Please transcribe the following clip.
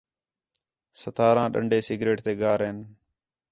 ستارھاں ݙَنڈے سگریٹ تے گار ہِن